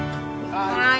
はい。